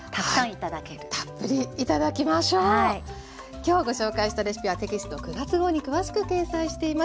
今日ご紹介したレシピはテキスト９月号に詳しく掲載しています。